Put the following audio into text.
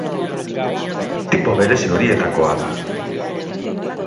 Tipo berezi horietako da.